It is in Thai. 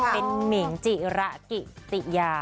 เป็นหมิ่งจิระกิติยา